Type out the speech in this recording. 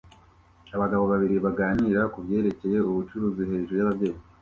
Abagabo babiri baganira kubyerekeye ubucuruzi hejuru ya byeri